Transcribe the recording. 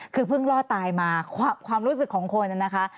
คือเพิ่งรอดตายมาความรู้สึกของคนนะคะ